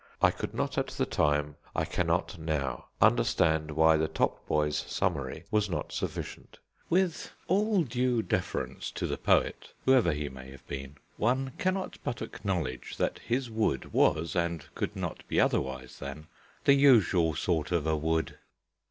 I could not at the time, I cannot now, understand why the top boy's summary was not sufficient. With all due deference to the poet, whoever he may have been, one cannot but acknowledge that his wood was, and could not be otherwise than, "the usual sort of a wood."